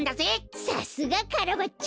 さすがカラバッチョ。